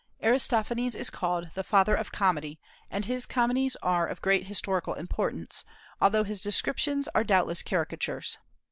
Aristophanes is called the Father of Comedy, and his comedies are of great historical importance, although his descriptions are doubtless caricatures.